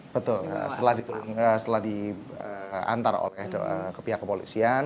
betul setelah diantar oleh kepihak pemerintah